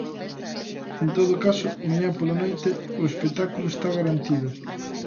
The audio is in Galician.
En todo caso, mañá pola noite o espectáculo está garantido.